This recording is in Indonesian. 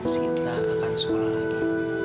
sita akan sekolah lagi